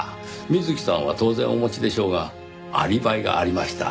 水木さんは当然お持ちでしょうがアリバイがありました。